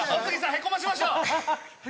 へこませましょう。